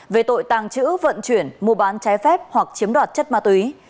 về tội tàng trữ vận chuyển mua bán trái phép hoặc chiếm đoạt chất ma túy